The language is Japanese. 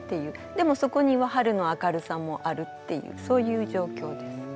でもそこには春の明るさもあるっていうそういう状況です。